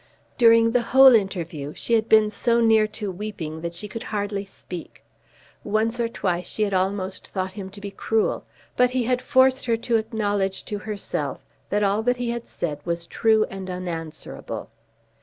During the whole interview she had been so near to weeping that she could hardly speak. Once or twice she had almost thought him to be cruel; but he had forced her to acknowledge to herself that all that he had said was true and unanswerable.